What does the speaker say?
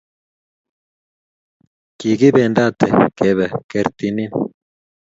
Kigibendate kebe kertinin